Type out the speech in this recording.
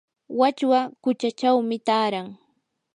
wachwa quchachawmi taaran.